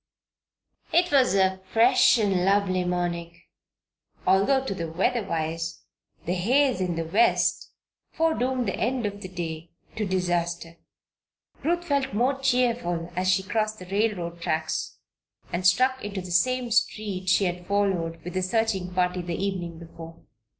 It was a fresh and lovely morning, although to the weather wise the haze in the West foredoomed the end of the day to disaster. Ruth felt more cheerful as she crossed the railroad tracks and struck into the same street she had followed with the searching party the evening before.